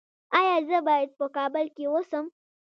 ایا زه باید په کابل کې اوسم؟